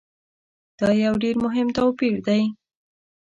دا یو ډېر مهم توپیر دی.